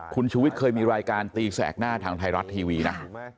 คุณชูวิทย์เคยมีรายการตีแสกหน้าทางไทยรัฐทีวีนะ